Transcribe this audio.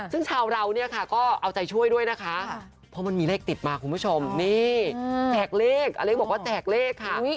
ซึ่งชาวเราเนี่ยค่ะก็เอาใจช่วยด้วยนะคะเพราะมันมีเลขติดมาคุณผู้ชมนี่แจกเลขอเล็กบอกว่าแจกเลขค่ะ